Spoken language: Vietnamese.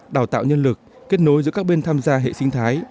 đào tạo nhân lực kết nối giữa các bên tham gia hệ sinh thái